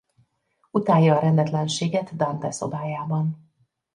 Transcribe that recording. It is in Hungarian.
Utálja a rendetlenséget Dante szobájában.